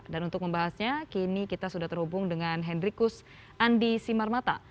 dan untuk membahasnya kini kita sudah terhubung dengan hendrikus andi simarmata